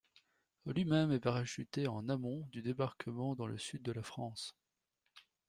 Lui-même est parachuté en amont du débarquement dans le Sud de la France.